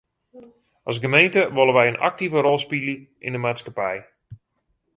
As gemeente wolle wy in aktive rol spylje yn de maatskippij.